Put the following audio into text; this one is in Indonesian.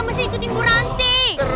mesti ikutin buranti